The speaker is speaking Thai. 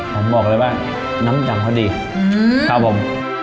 ผมบอกเลยว่าน้ำยำเขาดีครับผม